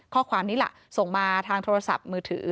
ข้อความนี้ล่ะส่งมาทางโทรศัพท์มือถือ